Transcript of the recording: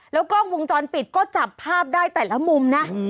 กล้องวงจรปิดก็จับภาพได้แต่ละมุมนะ